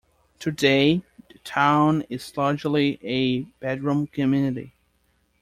Today, the town is largely a bedroom community.